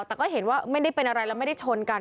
แต่ก็เห็นว่าไม่ได้เป็นอะไรแล้วไม่ได้ชนกัน